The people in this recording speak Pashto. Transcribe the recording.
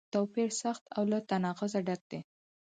توپیر سخت او له تناقضه ډک دی.